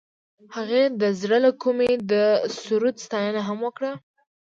هغې د زړه له کومې د سرود ستاینه هم وکړه.